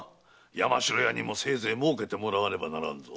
山城屋にもせいぜい儲けてもらわねばならんぞ。